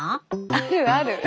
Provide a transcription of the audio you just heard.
あるある。